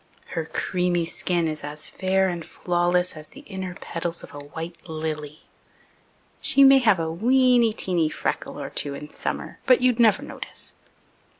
Her creamy skin is as fair and flawless as the inner petals of a white lily. (She may have a weeny teeny freckle or two in summer, but you'd never notice.)